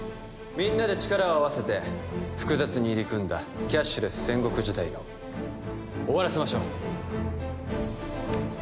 みんなで力を合わせて複雑に入り組んだキャッシュレス戦国時代を終わらせましょう！